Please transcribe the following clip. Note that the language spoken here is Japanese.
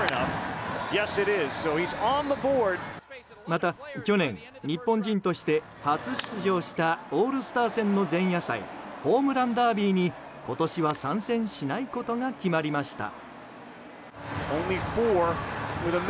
また、去年日本人として初出場したオールスター戦の前夜祭ホームランダービーに今年は参戦しないことが決まりました。